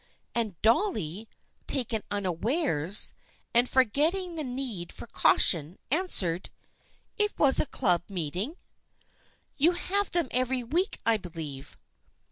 And Dolly, taken unawares, and forgetting the need for caution, answered, " It was a Club meet ing." " You have them every week, I believe."